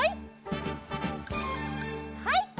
はい。